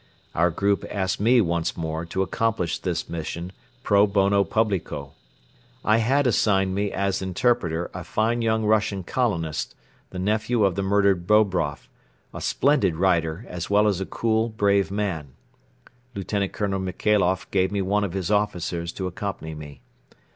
Our group asked me once more to accomplish this mission pro bono publico. I had assigned me as interpreter a fine young Russian colonist, the nephew of the murdered Bobroff, a splendid rider as well as a cool, brave man. Lt. Colonel Michailoff gave me one of his officers to accompany me.